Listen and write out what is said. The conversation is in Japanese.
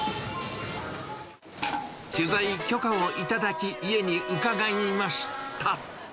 取材許可を頂き、家に伺いました。